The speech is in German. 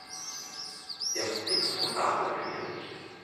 Der Krieg unterbrach seine Karriere nicht.